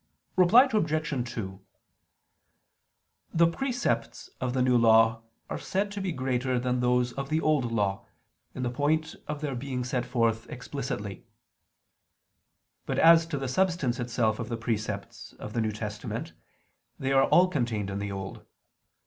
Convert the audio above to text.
Reply Obj. 2: The precepts of the New Law are said to be greater than those of the Old Law, in the point of their being set forth explicitly. But as to the substance itself of the precepts of the New Testament, they are all contained in the Old.